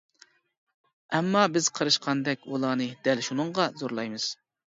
ئەمما بىز قېرىشقاندەك ئۇلارنى دەل شۇنىڭغا زورلايمىز.